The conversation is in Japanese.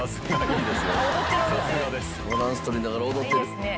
バランスとりながら踊ってる。